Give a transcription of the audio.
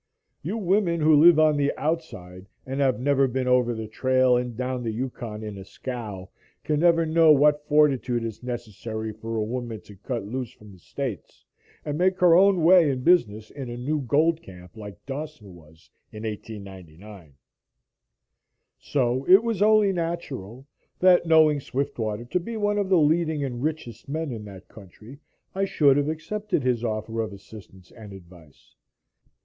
You women, who live "on the outside" and have never been over the trail and down the Yukon in a scow, can never know what fortitude is necessary for a woman to cut loose from the States and make her own way in business in a new gold camp like Dawson was in 1899. So it was only natural, that, knowing Swiftwater to be one of the leading and richest men in that country, I should have accepted his offer of assistance and advice.